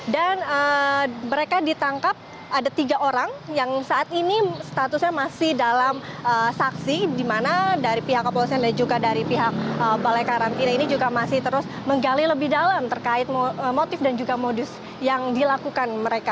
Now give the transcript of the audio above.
dan mereka ditangkap ada tiga orang yang saat ini statusnya masih dalam saksi di mana dari pihak kepolisian dan juga dari pihak balai karantina ini juga masih terus menggali lebih dalam terkait motif dan juga modus yang dilakukan mereka